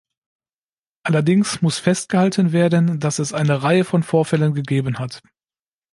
Allerdings muss festgehalten werden, dass es eine Reihe von Vorfällen gegeben hat.